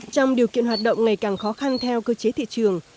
trong điều kiện hoạt động ngày càng khó khăn theo cơ chế thị trường